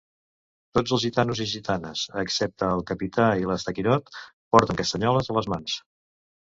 Tots els gitanos i gitanes, excepte el Capità i l'Estaquirot, porten castanyoles a les mans.